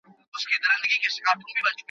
هیڅوک حق نه لري چي د بل چا خط خلاص کړي.